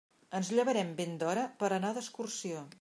Ens llevarem ben d'hora per anar d'excursió.